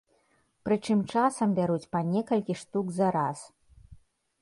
Прычым часам бяруць па некалькі штук за раз.